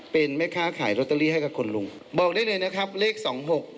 เป็นไม่ฆ่าขายให้กับคนลุงบอกได้เลยนะครับเลขสองหก